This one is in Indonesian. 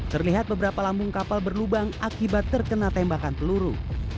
terlihat beberapa lambung kapal berlubang akibat terkena tembakan peluru